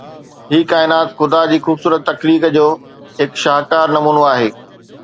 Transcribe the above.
هي ڪائنات خدا جي خوبصورت تخليق جو هڪ شاهڪار نمونو آهي.